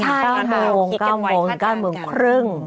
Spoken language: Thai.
ใช่๙โมง๙โมง๙โมงครึ่ง